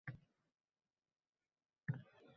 Deraza ostida atirgul ekdi.